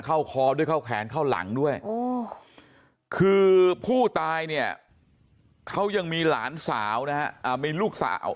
คอด้วยเข้าแขนเข้าหลังด้วยคือผู้ตายเนี่ยเขายังมีหลานสาวนะฮะมีลูกสาว